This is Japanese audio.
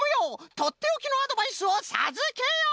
とっておきのアドバイスをさずけよう！